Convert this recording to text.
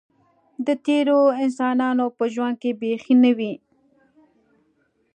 د تېرو انسانانو په ژوند کې بیخي نه وې.